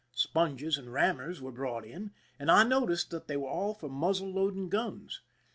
Sponges and rammers were brought in, and I noticed that they were all for muzzle loading guns.